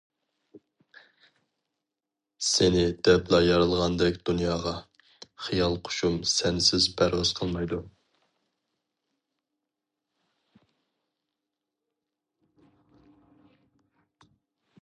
سېنى دەپلا يارالغاندەك دۇنياغا، خىيال قۇشۇم سەنسىز پەرۋاز قىلمايدۇ.